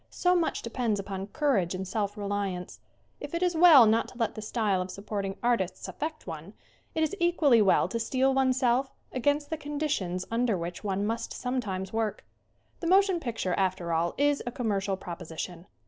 So much depends upon courage and self reliance. If it is well not to let the style of supporting artists affect one, it is equally well to steel one's self against the conditions under which one must sometimes work. The motion picture, after all, is a commercial proposition.